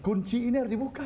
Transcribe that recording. kunci ini harus dibuka